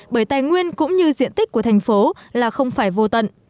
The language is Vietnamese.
bởi tài nguyên cũng như diện tích của thành phố là không phải vô tận